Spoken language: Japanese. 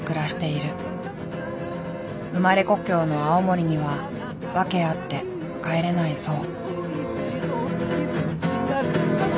生まれ故郷の青森には訳あって帰れないそう。